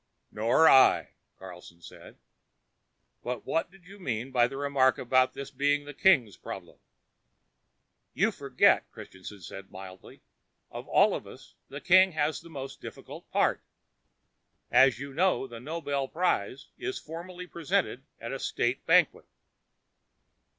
"Nor I," Carlstrom said. "But what did you mean by that remark about this being the king's problem?" "You forget," Christianson said mildly. "Of all of us, the king has the most difficult part. As you know, the Nobel Prize is formally presented at a State banquet."